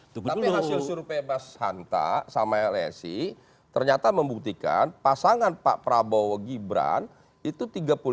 tapi hasil suruh pebas hantar sama lsi ternyata membuktikan pasangan pak prabowo gibran itu tiga puluh lima sembilan